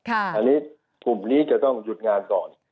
อันนี้กลุ่มนี้จะต้องหยุดงานก่อน